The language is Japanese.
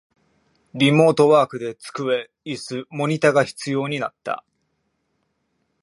リモートワークで机、イス、モニタが必要になった